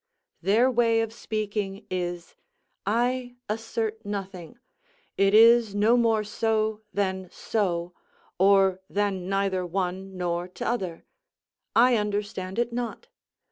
Their way of speaking is: "I assert nothing; it is no more so than so, or than neither one nor t'other; I understand it not.